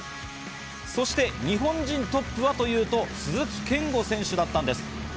そして日本人トップはというと、鈴木健吾選手だったんです。